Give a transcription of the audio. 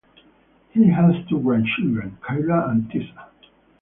He has two grandchildren, Kayla and Tessa.